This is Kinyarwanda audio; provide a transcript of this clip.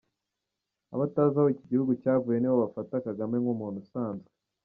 Abatazi aho iki gihugu cyavuye nibo bafata Kagame nk’umuntu usanzwe.